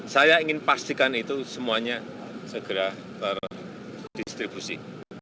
saya ingin pastikan itu semuanya segera terdistribusi